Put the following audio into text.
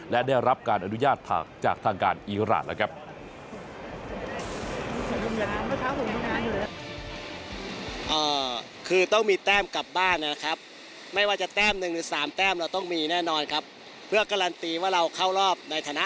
และได้รับการอนุญาตจากทางการอีรานแล้วครับ